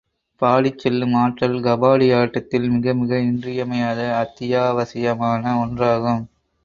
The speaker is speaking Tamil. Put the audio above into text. பாடிச் செல்லும் ஆற்றல் கபாடி ஆட்டத்தில் மிக மிக இன்றியமையாத, அத்தியாவசியமான ஒன்றாகும்.